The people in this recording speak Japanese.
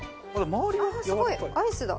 奈緒：すごい！アイスだ。